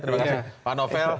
terima kasih pak novel